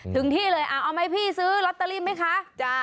ถึงที่เลยเอาไหมพี่ซื้อลอตเตอรี่ไหมคะ